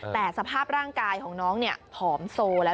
แต่สภาพร่างกายของน้องเนี่ยผอมโซแล้ว